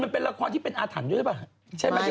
เป็นละครที่เป็นอาถรรมใช่ป่ะ